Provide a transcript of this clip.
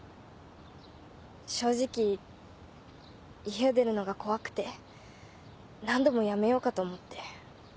正直家を出るのが怖くて何度もやめようかと思って。